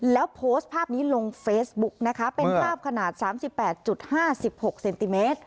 แล้วโพสต์ภาพนี้ลงเฟซบุ๊กนะคะเป็นภาพขนาด๓๘๕๖เซนติเมตร